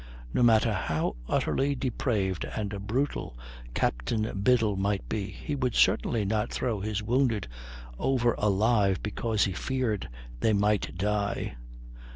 No matter how utterly depraved and brutal Captain Biddle might be, he would certainly not throw his wounded over alive because he feared they might die.